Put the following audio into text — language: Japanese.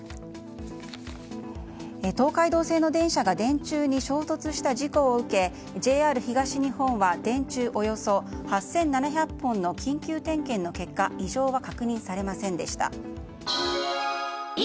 東海道線の電車が電柱に衝突した事故を受けてＪＲ東日本は電柱およそ８７００本の緊急点検の結果異常は確認されませんでした。